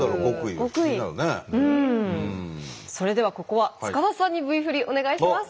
それではここは塚田さんにＶ振りお願いします。